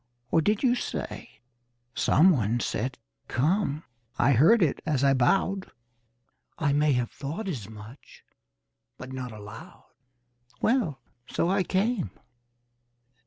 Or did you say Someone said 'Come' I heard it as I bowed." "I may have thought as much, but not aloud." "Well, so I came."